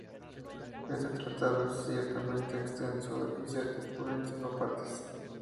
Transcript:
Este tratado es ciertamente extenso y se articula en cinco partes.